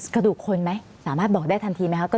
กระดูกคนไหมสามารถบอกได้ทันทีไหมครับ